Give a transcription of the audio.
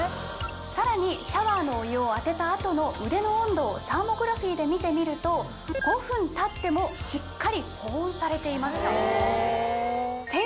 さらにシャワーのお湯を当てた後の腕の温度をサーモグラフィーで見てみると５分たってもしっかり保温されていました。